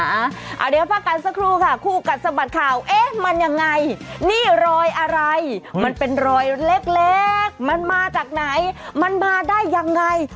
เดี๋ยวพักกันสักครู่ค่ะคู่กัดสะบัดข่าวเอ๊ะมันยังไงนี่รอยอะไรมันเป็นรอยเล็กมันมาจากไหนมันมาได้ยังไง